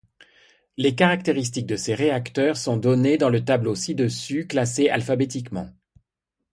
Les caractéristiques de ces réacteurs sont données dans le tableau ci-dessus, classés alphabétiquement.